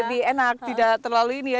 lebih enak tidak terlalu ini ya